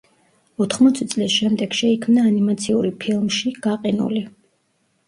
ოთხმოცი წლის შემდეგ შეიქმნა ანიმაციური ფილმში „გაყინული“.